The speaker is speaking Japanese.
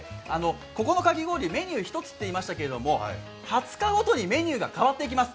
ここのかき氷、メニュー１つと言いましたけど２０日ごとにメニューが変わっていきます。